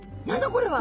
これは！